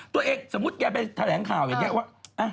ตัวเองสมมุติยายไปแถลงข่าวอย่างนี้ว่า